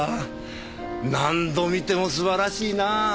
何度見ても素晴らしいなあ。